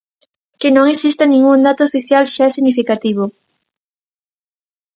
Que non exista ningún dato oficial xa é significativo.